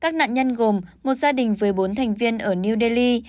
các nạn nhân gồm một gia đình với bốn thành viên ở new delhi